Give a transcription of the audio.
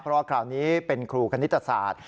เพราะว่าคราวนี้เป็นครูคณิตศาสตร์